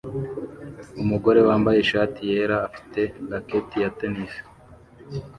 Umugore wambaye ishati yera afite racket ya tennis